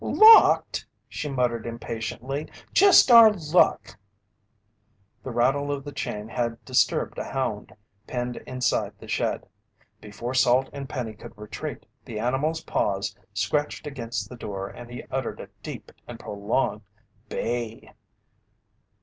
"Locked!" she muttered impatiently. "Just our luck!" The rattle of the chain had disturbed a hound penned inside the shed. Before Salt and Penny could retreat, the animal's paws scratched against the door and he uttered a deep and prolonged bay.